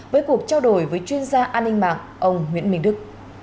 với cuộc trao đổi với chuyên gia an ninh mạng ông nguyễn minh đức